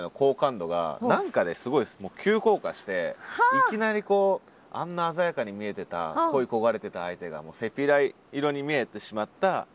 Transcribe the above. いきなりこうあんな鮮やかに見えてた恋い焦がれてた相手がもうセピア色に見えてしまった秋の朝。